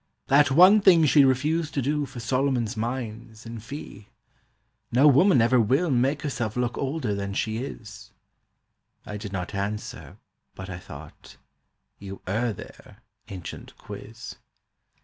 "That one thing she'd refuse to do for Solomon's mines in fee: No woman ever will make herself look older than she is." I did not answer; but I thought, "you err there, ancient Quiz."